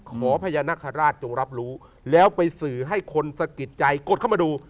พญานาคาราชจงรับรู้แล้วไปสื่อให้คนสะกิดใจกดเข้ามาดู